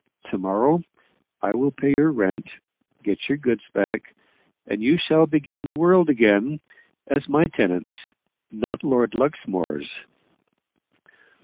To morrow I will pay your rent get your goods back and you shall begin the world again, as my tenants, not Lord Luxmore's."